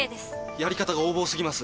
やり方が横暴すぎます。